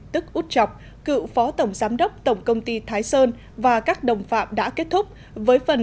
tức út chọc cựu phó tổng giám đốc tổng công ty thái sơn và các đồng phạm đã kết thúc với phần